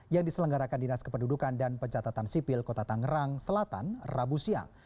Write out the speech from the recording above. yang diselenggarakan dinas kependudukan dan pencatatan sipil kota tangerang selatan rabu siang